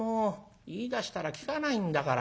言いだしたら聞かないんだからもう。